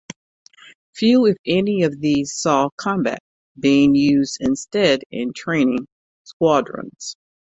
Few if any of these saw combat, being used instead in training squadrons.